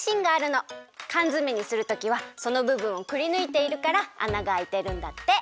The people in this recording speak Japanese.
かんづめにするときはそのぶぶんをくりぬいているから穴があいてるんだって。